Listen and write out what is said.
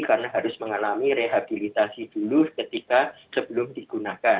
karena harus mengalami rehabilitasi dulu ketika sebelum digunakan